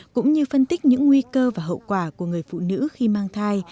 cũng như phân tích những nguy cơ và hậu quả của người phụ nữ khi mang thai